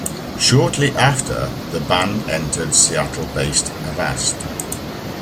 Shortly after, the band entered Seattle based Avast!